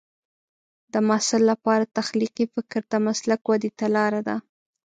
د محصل لپاره تخلیقي فکر د مسلک ودې ته لار ده.